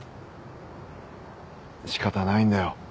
仕方ないんだよ